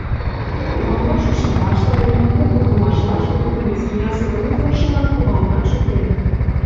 Кумалмаш ушемлаште да юмынмут погынымашлаште тудын вестӱнясе тыныслыкшылан кумалынат шуктеныт.